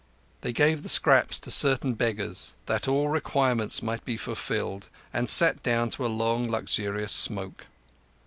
They gave the scraps to certain beggars, that all requirements might be fulfilled, and sat down to a long, luxurious smoke.